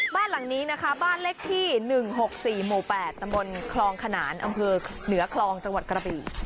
บ้านหลังนี้นะคะบ้านเลขที่๑๖๔หมู่๘ตำบลคลองขนานอำเภอเหนือคลองจังหวัดกระบี